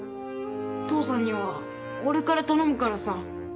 父さんには俺から頼むからさ。